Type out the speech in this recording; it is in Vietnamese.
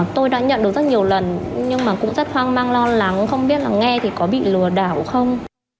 tôi đã nhận được rất nhiều lần nhưng mà cũng rất hoang mang lo lắng cũng không biết là nghe thì có bị lừa đảo không